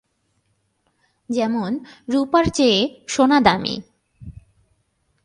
যেমনঃ রূপার চেয়ে সোনা দামী।